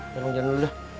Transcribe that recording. ya lo jalan dulu deh